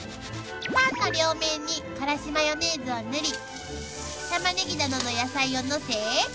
［パンの両面にからしマヨネーズを塗りタマネギなどの野菜をのせ］